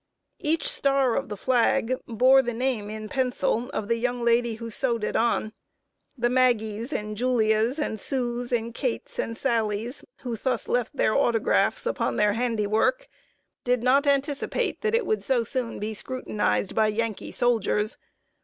Each star of the flag bore the name in pencil of the young lady who sewed it on. The Maggies, and Julias, and Sues, and Kates, and Sallies, who thus left their autographs upon their handiwork, did not anticipate that it would so soon be scrutinized by Yankee soldiers.